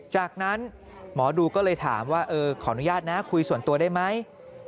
จากนั้นหมอดูก็เลยถามว่าขออนุญาตนะคุยส่วนตัวได้ไหม